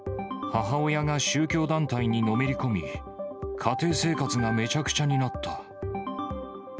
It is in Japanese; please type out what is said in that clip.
母親が宗教団体にのめり込み、家庭生活がめちゃくちゃになった。